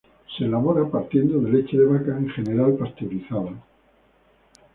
Se elabora partiendo de leche de vaca, en general pasteurizada.